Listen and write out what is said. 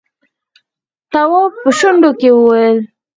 تواب په شونډو کې وويل: